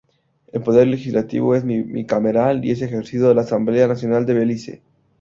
El poder legislativo es bicameral y es ejercido en la Asamblea Nacional de Belice.